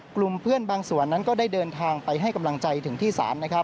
กลุ่มเพื่อนบางส่วนนั้นก็ได้เดินทางไปให้กำลังใจถึงที่ศาลนะครับ